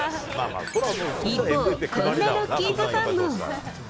一方、こんなロッキーズファンも。